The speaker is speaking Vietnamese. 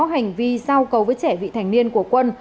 hành vi giao cầu với trẻ vị thành niên của quân